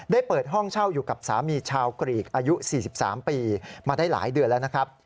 เปิดห้องเช่าอยู่กับสามีชาวกรีกอายุ๔๓ปีมาได้หลายเดือนแล้วนะครับ